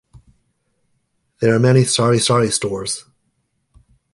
There are many sari-sari stores.